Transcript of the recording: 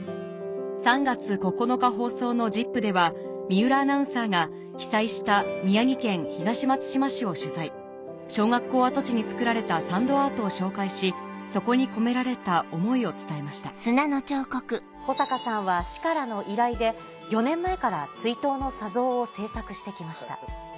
３月９日放送の『ＺＩＰ！』では水卜アナウンサーが被災した宮城県東松島市を取材小学校跡地に作られたサンドアートを紹介しそこに込められた思いを伝えました保坂さんは市からの依頼で４年前から追悼の砂像を制作してきました。